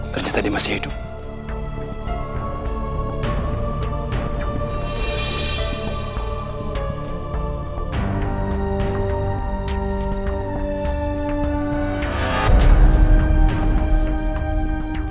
ternyata dia masih hidup